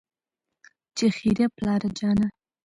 چې خېره پلار جانه